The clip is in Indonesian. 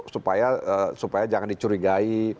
supaya jangan dicurigai